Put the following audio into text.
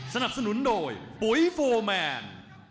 สนับสนุนโดยปุ๋ยโฟร์แมน